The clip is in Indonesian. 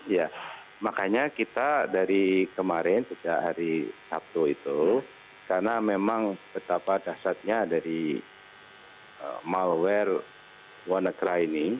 ya makanya kita dari kemarin sejak hari sabtu itu karena memang betapa dasarnya dari malware wannacry ini